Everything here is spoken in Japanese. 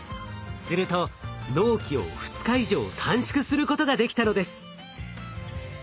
すると納期を２日以上短縮することができたのです。